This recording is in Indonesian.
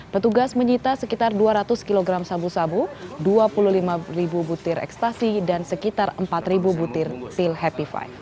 petugas menyita sekitar dua ratus kg sabu sabu dua puluh lima ribu butir ekstasi dan sekitar empat butir pil happy five